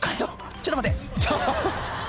ちょっと待って。